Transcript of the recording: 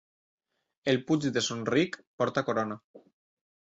El Puig de Son Ric porta corona.